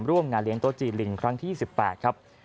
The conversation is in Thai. ร่วมงานเลี้ยงโต๊ะจีนลิงครั้งที่๒๘ครับ